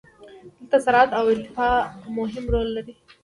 دلته سرعت او ارتفاع مهم رول لري.